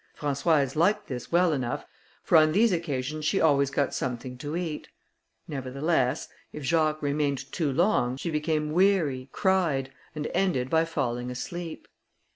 Françoise liked this well enough, for on these occasions she always got something to eat; nevertheless, if Jacques remained too long, she become weary, cried, and ended by falling asleep.